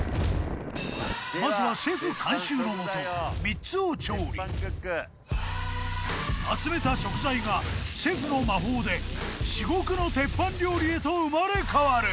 まずはシェフ監修のもと３つを調理集めた食材がシェフの魔法で至極の鉄板料理へと生まれ変わる！